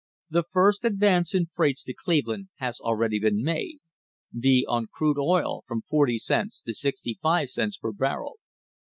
The first advance in freights to Cleveland has already been made, viz.: on crude oil, from forty cents to sixty five cents per barrel.